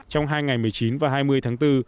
trong hai ngày một mươi chín và hai mươi tháng bốn